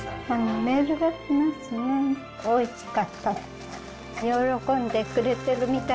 おいしかった。